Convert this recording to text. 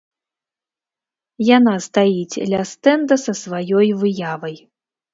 Яна стаіць ля стэнда са сваёй выявай.